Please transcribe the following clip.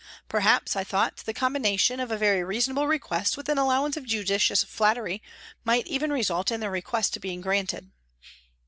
Perhaps, I thought, the combination of a very reasonable request with an allowance of judicious flattery might even result in the request being granted.